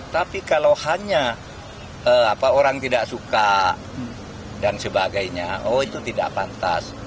tapi kalau hanya orang tidak suka dan sebagainya oh itu tidak pantas